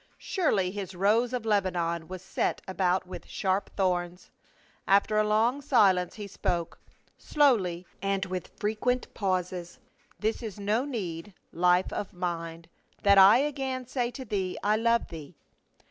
Surely his rose of Leba non was set about with sharp thorns. After a long silence he spoke, slowly and with frequent pauses. " There is no need, life of mine, that I again say to thee, I love thee.